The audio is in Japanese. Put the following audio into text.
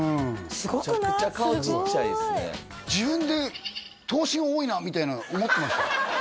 すごい自分で頭身多いなみたいな思ってました？